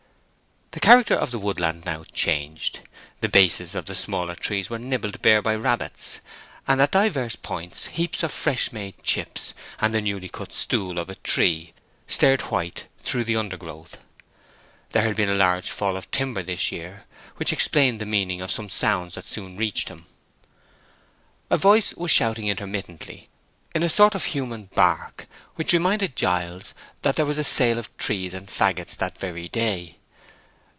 The character of the woodland now changed. The bases of the smaller trees were nibbled bare by rabbits, and at divers points heaps of fresh made chips, and the newly cut stool of a tree, stared white through the undergrowth. There had been a large fall of timber this year, which explained the meaning of some sounds that soon reached him. A voice was shouting intermittently in a sort of human bark, which reminded Giles that there was a sale of trees and fagots that very day.